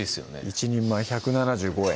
１人前１７５円